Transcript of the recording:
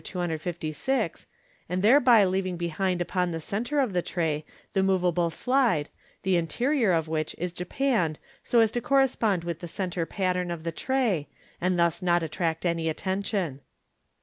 256), and thereby leaving behind upon the centre of the tray the moveable slide, the interior of which is japanned so as to correspond with the centre pattern of the tray, and thus does not attract any attention.